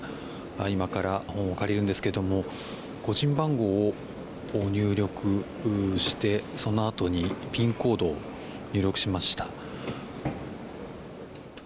今から本を借りるんですけれども個人番号を入力してそのあとにピンコードを入力しました。